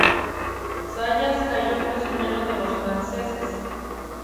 Zayas cayó prisionero de los franceses.